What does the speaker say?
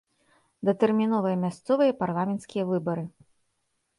Датэрміновыя мясцовыя і парламенцкія выбары.